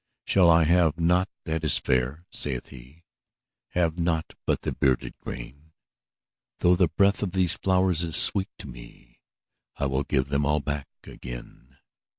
``Shall I have nought that is fair?'' saith he; ``Have nought but the bearded grain? Though the breath of these flowers is sweet to me, I will give them all back again.''